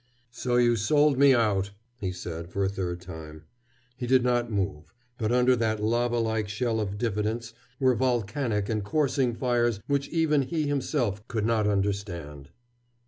"So you sold me out!" he said for a third time. He did not move, but under that lava like shell of diffidence were volcanic and coursing fires which even he himself could not understand.